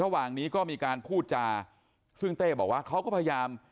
ระหว่างนี้ก็มีการพูดจาซึ่งเต้บอกว่าเขาก็พยายาม